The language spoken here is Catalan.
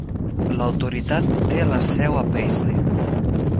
L'autoritat té la seu a Paisley.